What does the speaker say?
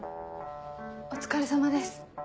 お疲れさまです。